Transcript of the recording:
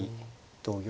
同玉